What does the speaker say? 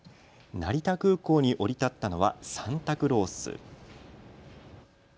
成田空港に降り立ったのはサンタクロース。